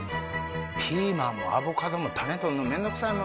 ピーマンもアボカドも種取るの面倒くさいもんな。